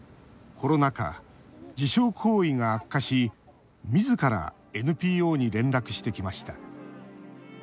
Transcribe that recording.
コロナ禍、自傷行為が悪化しみずからＮＰＯに連絡してきました。